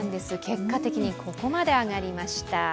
結果的にここまで上がりました。